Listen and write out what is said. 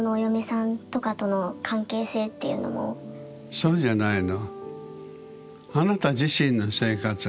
そうじゃないの。